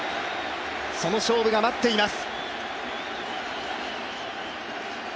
その勝負が待っています。